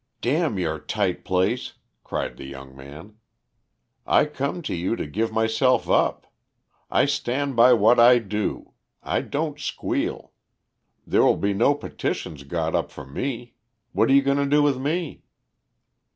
"Damn your tight place," cried the young man, "I come to you to give myself up. I stand by what I do. I don't squeal. There will be no petitions got up for me. What are you going to do with me?"